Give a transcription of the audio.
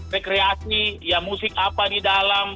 rekreasi ya musik apa di dalam